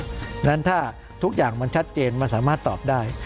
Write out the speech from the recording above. เพราะฉะนั้นถ้าทุกอย่างมันชัดเจนมันสามารถตอบได้